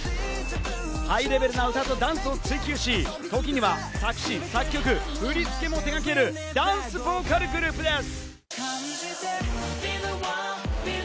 ハイレベルな歌とダンスを追求し、時には作詞・作曲・振り付けも手がけるダンスボーカルグループです。